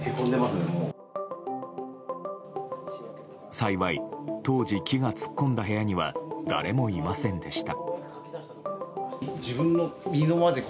幸い当時、木が突っ込んだ部屋には誰もいませんでした。